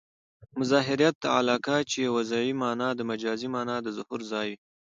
مظهریت علاقه؛ چي وضعي مانا د مجازي مانا د ظهور ځای يي.